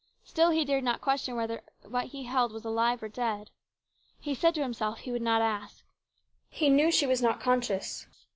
Still, he dared not question whether what he held was alive or dead. He said to himself he would not ask. He knew she was not conscious.